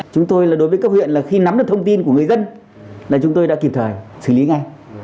chúng tôi là đối với cấp huyện là khi nắm được thông tin của người dân là chúng tôi đã kịp thời xử lý ngay